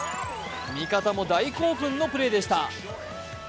味方も大興奮のプレーでした。